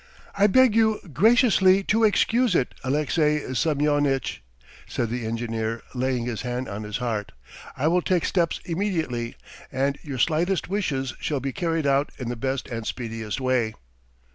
"I beg you graciously to excuse it, Alexey Semyonitch!" said the engineer, laying his hand on his heart. "I will take steps immediately, and your slightest wishes shall be carried out in the best and speediest way."